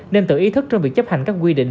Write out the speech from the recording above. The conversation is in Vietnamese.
nên tự ý thức trong việc chấp hành các quy định